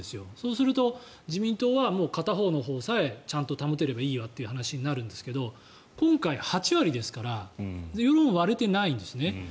そうすると自民党は片方のほうさえちゃんと保てればいいという話になるんですが今回８割ですから世論、割れてないんですね。